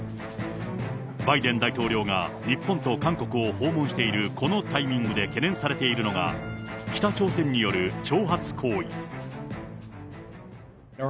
バイデン大統領が日本と韓国を訪問しているこのタイミングで懸念されているのが、北朝鮮による挑発行為。